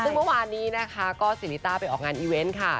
ซึ่งเมื่อวานนี้นะคะก็สิริต้าไปออกงานอีเวนต์ค่ะ